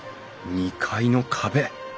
２階の壁